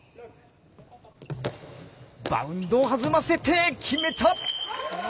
バウンドを弾ませて決めた！